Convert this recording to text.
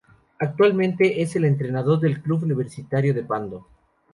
Actualmente es el entrenador del Club Universitario de Pando.